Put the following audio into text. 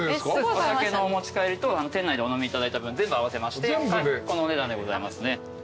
お酒のお持ち帰りと店内でお飲みいただいた分全部合わせましてこのお値段でございますね。